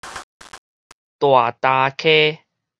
大礁溪